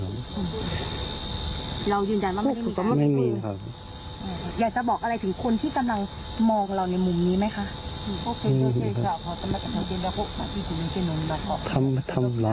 เรายืนยันว่าไม่มีครับอยากจะบอกอะไรถึงคนที่กำลังมองเราในมุมนี้ไหมคะ